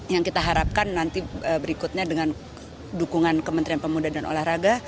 yang kita harapkan nanti berikutnya dengan dukungan kementerian pemuda dan olahraga